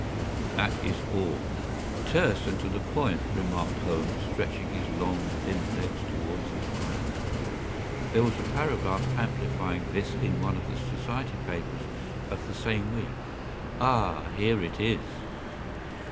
’ That is all.” “Terse and to the point,” remarked Holmes, stretching his long, thin legs towards the fire. “There was a paragraph amplifying this in one of the society papers of the same week. Ah, here it is.